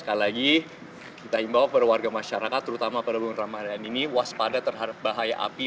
sekali lagi kita ingin bawa para warga masyarakat terutama pada bulan ramadhan ini waspada terhadap bahaya api